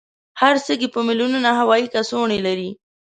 هر سږی په میلونونو هوایي کڅوړې لري.